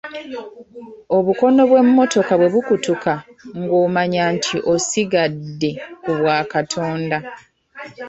Obukono bw'emmotoka bwe bukutuka ng'omanya nti osigadde ku bwakatonda.